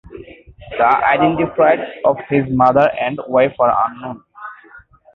The identities of his mother and wife are unknown.